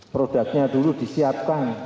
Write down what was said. produknya dulu disiapkan